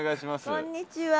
こんにちは。